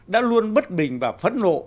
đã luôn bất bình và phẫn nộ